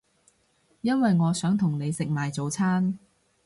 因為我想同你食埋早餐